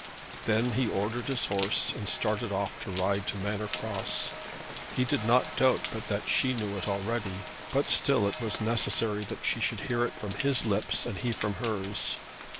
Then he ordered his horse, and started off to ride to Manor Cross. He did not doubt but that she knew it already, but still it was necessary that she should hear it from his lips and he from hers.